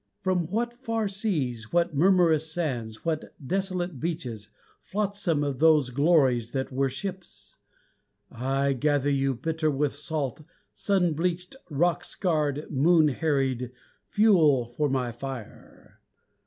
From what far seas, What murmurous sands, What desolate beaches Flotsam of those glories that were ships! I gather you, Bitter with salt, Sun bleached, rock scarred, moon harried, Fuel for my fire.